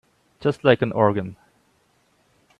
Just like an organ.